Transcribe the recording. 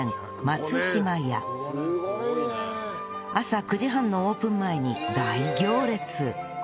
朝９時半のオープン前に大行列